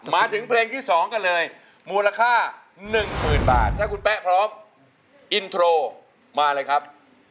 มาถึงเพลงที่๒กันเลยมูลค่า๑๐๐๐บาทถ้าคุณแป๊ะพร้อมอินโทรมาเลยครับ